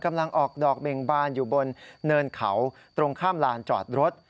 กำลังออกดอกเบ่งบานอยู่บนเนินเขาตรงข้ามลานจอดรถ